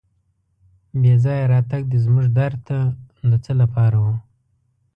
بې ځایه راتګ دې زموږ در ته د څه لپاره و.